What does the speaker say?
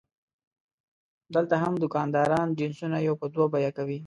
دلته هم دوکانداران جنسونه یو په دوه بیه کوي.